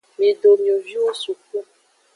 Mido mioviwo suku.